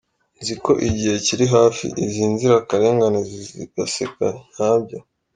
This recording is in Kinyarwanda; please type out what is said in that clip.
Nziko igihe kiri hafi izi nzirakarengane zigaseka nyabyo.